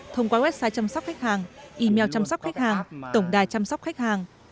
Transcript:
thông qua website chăm sóc khách hàng email chăm sóc khách hàng tổng đài chăm sóc khách hàng